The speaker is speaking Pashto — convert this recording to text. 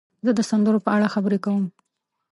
زه د سندرو په اړه خبرې کوم.